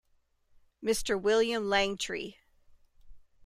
Mr. William Langtry.